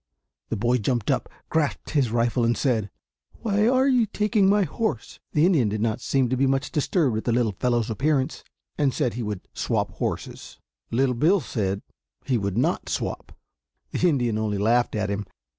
The boy jumped up, grasped his rifle, and said, "What are you doing with my horse?" The Indian did not seem to be much disturbed at the little fellow's appearance, and said he would swap horses. Little Bill said he would not swap. The Indian only laughed at him.